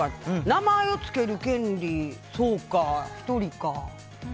名前を付ける権利そうか、１人か。